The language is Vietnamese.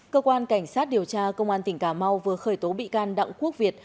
cơ quan cảnh sát điều tra công an tỉnh cà mau vừa khởi tố bị can đặng quốc việt